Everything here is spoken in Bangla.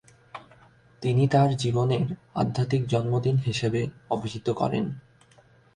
তিনি তাঁর জীবনের ‘আধ্যাত্মিক জন্মদিন’ হিসেবে অবিহিত করেন।